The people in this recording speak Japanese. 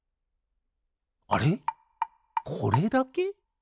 あれこれだけ？